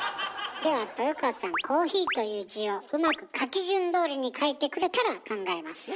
では豊川さん「コーヒー」という字をうまく書き順どおりに書いてくれたら考えますよ。